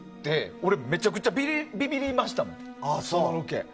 俺、めちゃくちゃビビりましたもん、そのロケで。